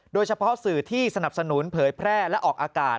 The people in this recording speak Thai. โดยเฉพาะสื่อที่สนับสนุนเผยแพร่และออกอากาศ